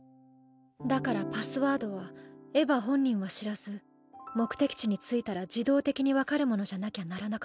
だからパスワードはエヴァ本人は知らず目的地に着いたら自動的にわかるものじゃなきゃならなかった。